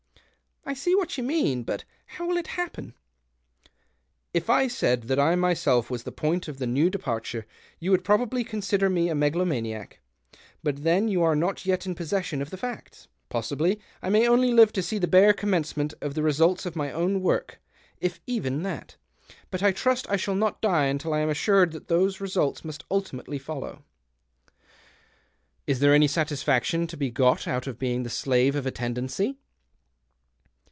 " I see what you mean, but how will it happen ?" ''If I said that I myself was the point of the new departure, you would probably con sider me a megalomaniac ; but then you are not yet in possession of the facts. Possibly I may only live to see the l^are commence ment of the results of my own work, if even that. But I trust I shall not die until I am assured that those results must ultimately follow." 144 THE OCTAVE OF CLAUDIUS. " Is there any satisfaction to be got out of being the slave of a tendency